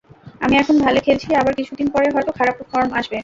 আমি এখন ভালো খেলছি, আবার কিছুদিন পরে হয়তো খারাপ ফর্ম আসবে।